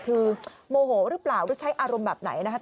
คือโมโหหรือเปล่าหรือใช้อารมณ์แบบไหนนะครับ